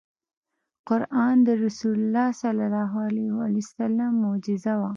قرآن د رسول الله ص معجزه وه .